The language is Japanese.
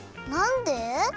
なんで？